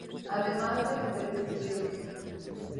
Además de Ajedrez, estudió música.